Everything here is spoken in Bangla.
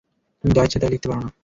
তুমি যা ইচ্ছা তাই লিখতে পারো না।